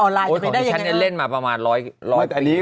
โอ้ยของที่ฉันนี่เล่นมาประมาณ๑๐๐ปี